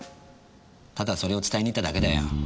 ただそれを伝えに行っただけだよ。